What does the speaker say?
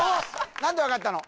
何で分かったの？